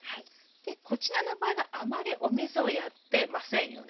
でこちらの場合はあまりお水をやってませんよね。